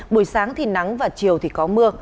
buổi sáng thì nắng và chiều thì có mưa